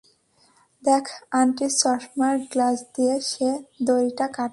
দেখ আন্টির চশমার গ্লাস দিয়ে সে দড়িটা কাটছে।